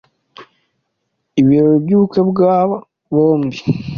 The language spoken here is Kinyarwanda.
Ibirori by'ubukwe bw'aba bombi